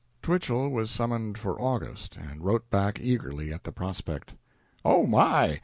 Twichell was summoned for August, and wrote back eagerly at the prospect: "Oh, my!